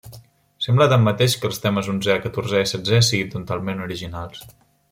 Sembla tanmateix que els temes onzè, catorzè i setzè siguin totalment originals.